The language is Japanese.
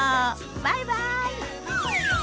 バイバイ。